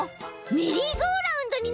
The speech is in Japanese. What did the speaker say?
メリーゴーラウンドになりそう！